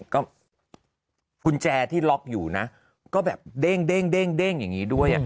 ก็คุญแจที่ล็อคอยู่นะก็แบบเด้งเด้งเด้งเด้งอย่างนี้ด้วย